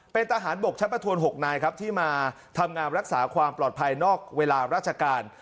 เป็นทหารบกชั้นประทวน๖นายครับที่มาทำงานรักษาความปลอดภัยนอกเวลาราชการ